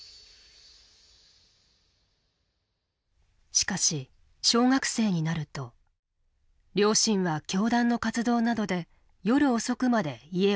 しかし小学生になると両親は教団の活動などで夜遅くまで家を空けるように。